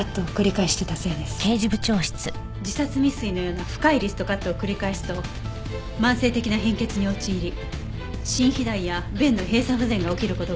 自殺未遂のような深いリストカットを繰り返すと慢性的な貧血に陥り心肥大や弁の閉鎖不全が起きる事があります。